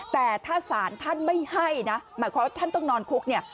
แต่ถ้าศาลท่านไม่ให้นะหมายความว่าท่านต้องนอนคุกเนี่ย